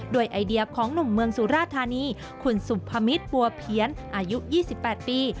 ไอเดียของหนุ่มเมืองสุราธานีคุณสุพมิตรบัวเพี้ยนอายุ๒๘ปี